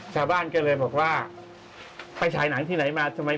ชาวบ้านก็เลยบอกว่า